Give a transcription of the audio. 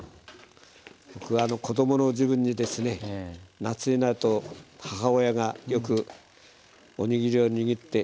僕が子供の時分にですね夏になると母親がよくおにぎりを握って。